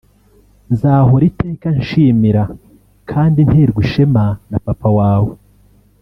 Nzahora iteka nshimira kandi nterwa ishema na Papa wawe